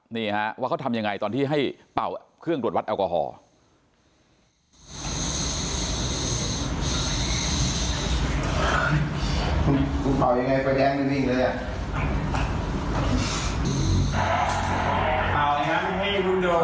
นี่ฮะว่าเขาทำยังไงตอนที่ให้เป่าเครื่องตรวจวัดแอลกอฮอล์